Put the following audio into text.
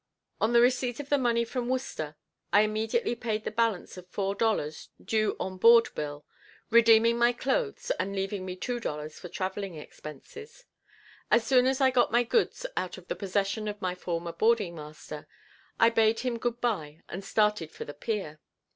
On the receipt of the money from Worcester, I immediately paid the balance of four dollars due on board bill, redeeming my clothes, and leaving me two dollars for traveling expenses. As soon as I got my goods out of the possession of my former boarding master, I bade him good by and started for the pier.